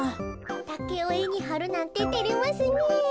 タケをえにはるなんててれますねえ。